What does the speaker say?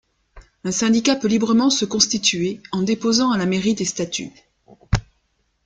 Un syndicat peut librement se constituer en déposant à la mairie des statuts.